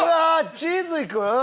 チーズいく？